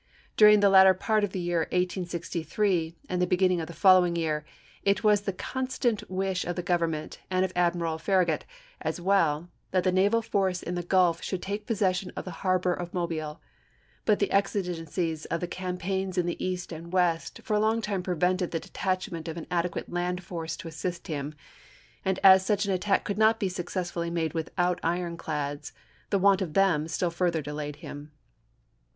During the latter part of the year 1863, and the Ibid., p. 92. 224 ABRAHAM LINCOLN chap. x. beginning of the following year, it was the con 186*. stant wish of the Government, and of Admiral Farragut as well, that the naval force in the Gulf should take possession of the harbor of Mobile. But the exigencies of the campaigns in the East and West for a long time prevented the detach ment of an adequate land force to assist him ; and as such an attack could not be successfully made without ironclads, the want of them still further delayed him.